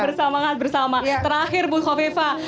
bersama sama terakhir bukalifah